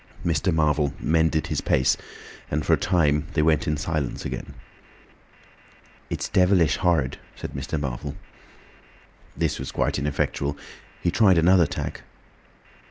Mr. Marvel mended his pace, and for a time they went in silence again. "It's devilish hard," said Mr. Marvel. This was quite ineffectual. He tried another tack.